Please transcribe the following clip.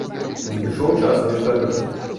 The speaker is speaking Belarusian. Надышоў час нешта рабіць.